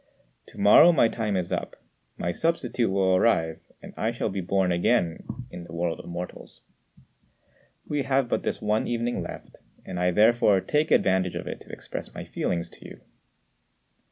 To morrow my time is up: my substitute will arrive, and I shall be born again in the world of mortals. We have but this one evening left, and I therefore take advantage of it to express my feelings to you."